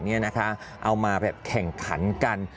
เอามาแบบแข่งขันกัน